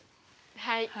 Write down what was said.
はい。